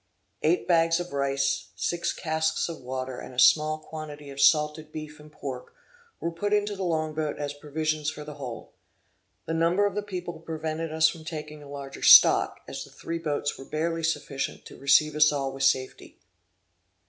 Eight bags of rice, six casks of water and a small quantity of salted beef and pork, were put into the long boat as provisions for the whole; the number of the people prevented us from taking a larger stock, as the three boats were barely sufficient to receive us all with safety.